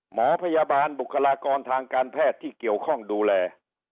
หมอพยาบาลบุคลากรทางการแพทย์ที่เกี่ยวข้องดูแล